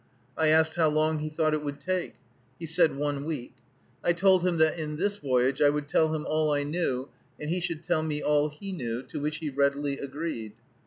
I asked how long he thought it would take. He said one week. I told him that in this voyage I would tell him all I knew, and he should tell me all he knew, to which he readily agreed.